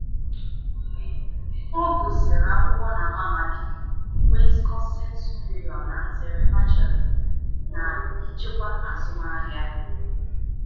Ọ gụsịrị akwụkwọ na Mahadum Wisconsin-Superior na nzere bachelọ na nchịkwa azụmahịa.